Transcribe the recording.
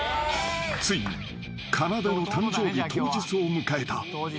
［ついにかなでの誕生日当日を迎えた］